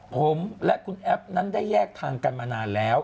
ผมและคุณแอฟนั้นได้แยกทางกันมานานแล้ว